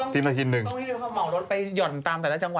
อ๋อส่งที่เดียวกันไม่ได้เหรอ